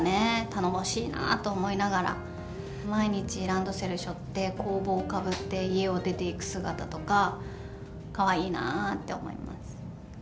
頼もしいなと思いながら、毎日ランドセルしょって、校帽かぶって、家を出ていく姿とか、かわいいなって思います。